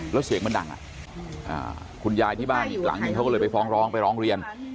แล้วเสียงมันดังคุณยายที่บ้านอีกหลังนึงเขาก็เลยไปฟ้องร้องไปร้องเรียน